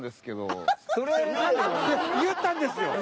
言ったんですよ。